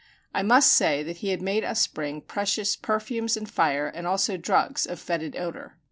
I must say that he had made us bring precious perfumes and fire, and also drugs of fetid odor.